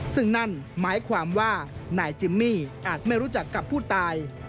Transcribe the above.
ซึ่งนั่นหมายความว่านายจิมมี่อาจไม่รู้จักกับผู้ตาย